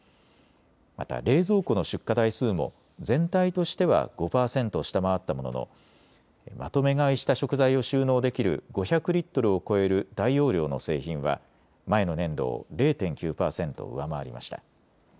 また冷蔵庫の出荷台数も全体としては５％下回ったもののまとめ買いした食材を収納できる５００リットルを超える大容量の製品は前の年度を０．９％上回りました。